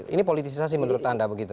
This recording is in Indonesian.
ini politisasi menurut anda begitu